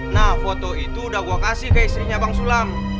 nah foto itu udah gue kasih ke istrinya bang sulam